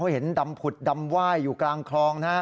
เห็นดำผุดดำว่ายอยู่กลางคลอง